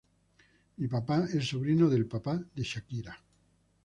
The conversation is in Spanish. Mi papá es sobrino del papá de Shakira".